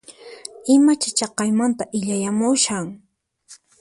Imacha chaqaymanta illayamushan?